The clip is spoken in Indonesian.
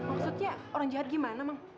maksudnya orang jahat gimana bang